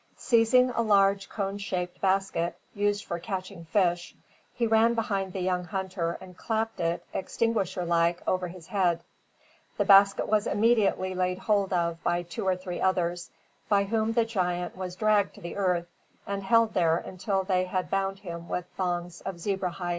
Seizing a large cone shaped basket, used for catching fish, he ran behind the young hunter and clapped it, extinguisher like, over his head. The basket was immediately laid hold of by two or three others; by whom the giant was dragged to the earth and held there until they had bound him with thongs of zebra hide.